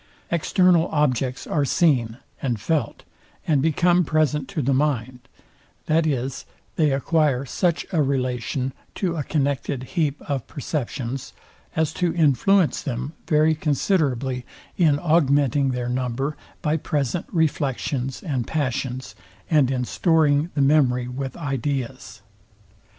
External objects are seen, and felt, and become present to the mind; that is, they acquire such a relation to a connected heap of perceptions, as to influence them very considerably in augmenting their number by present reflections and passions, and in storing the memory with ideas.